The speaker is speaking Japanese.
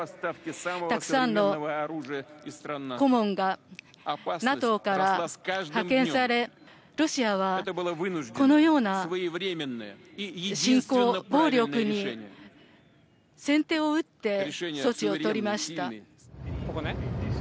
たくさんの顧問がＮＡＴＯから派遣され、ロシアはこのような侵攻、暴力に先手を打って措置を取りました。